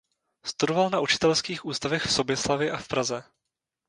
Studoval na učitelských ústavech v Soběslavi a v Praze.